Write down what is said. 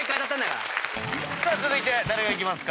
続いて誰がいきますか？